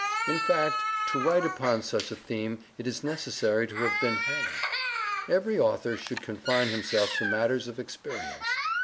In fact, to write upon such a theme it is necessary to have been hanged. Every author should confine himself to matters of experience.